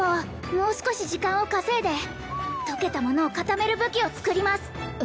もう少し時間を稼いで溶けたものを固める武器を作ります